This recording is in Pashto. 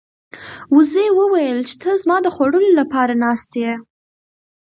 وزې وویل چې ته زما د خوړلو لپاره ناست یې.